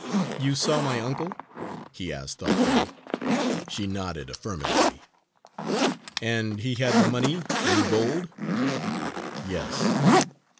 "You saw my uncle?" he asked thoughtfully. She nodded affirmatively. "And he had the money, in gold?" Yes.